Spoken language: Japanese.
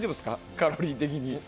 カロリー的に。